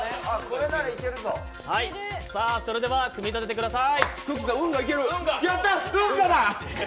それでは組み立ててください。